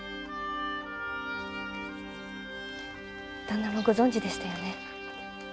旦那もご存じでしたよね。